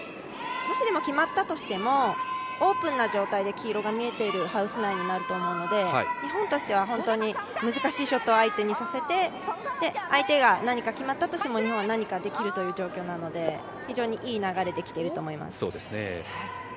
もし決まったとしてもオープンな状態で黄色が見えているハウス内になると思うので、日本としては本当に難しいショットを相手にさせて相手が何か決まったとしても、日本は何かできるという状況なので非常にいい流れで来ていると思います。